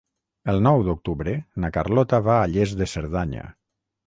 El nou d'octubre na Carlota va a Lles de Cerdanya.